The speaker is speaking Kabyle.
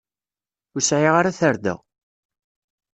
Ur sɛiɣ ara tarda.